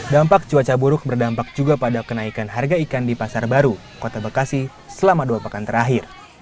dampak cuaca buruk berdampak juga pada kenaikan harga ikan di pasar baru kota bekasi selama dua pekan terakhir